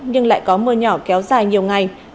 nhưng lại có mưa nhỏ kéo dài nhiều ngày